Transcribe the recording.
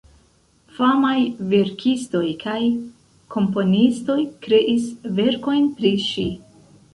Famaj verkistoj kaj komponistoj kreis verkojn pri ŝi.